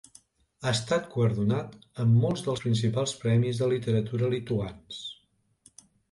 Ha estat guardonat amb molts dels principals premis de literatura lituans.